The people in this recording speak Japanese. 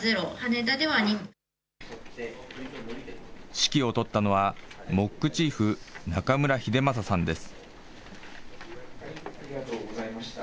指揮を執ったのは、ＭＯＣチーフ、中村英正さんです。